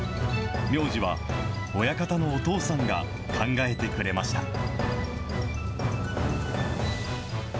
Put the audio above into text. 名字は、親方のお父さんが考えてくれました。